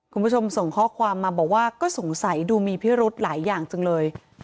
คุณผู้ชมส่งข้อความมาบอกว่าก็สงสัยดูมีพิรุธหลายอย่างจังเลย